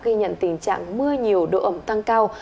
ghi nhận tình trạng mưa nhiều độ ẩm tăng cao